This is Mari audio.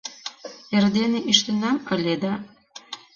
— Эрдене ӱштынам ыле да...